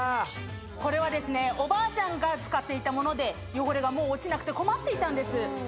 これはおばあちゃんが使っていたもので汚れがもう落ちなくて困っていたんです